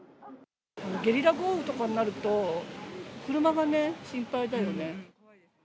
ゲリラ豪雨とかになると、車がね、心配だよね。